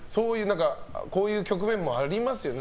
こういう局面もありますよね